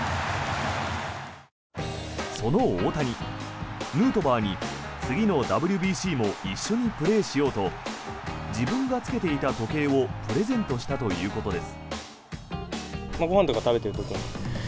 その大谷ヌートバーに、次のＷＢＣも一緒にプレーしようと自分がつけていた時計をプレゼントしたということです。